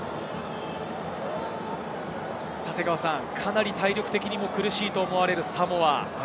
かなり体力的にも苦しいと思われるサモア。